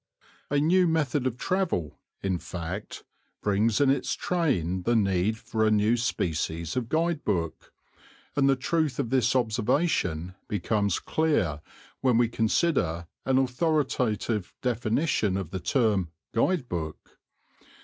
A new method of travel, in fact, brings in its train the need for a new species of guide book, and the truth of this observation becomes clear when we consider an authoritative definition of the term "Guide book."